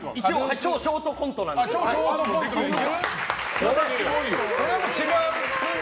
超ショートコントなんですが。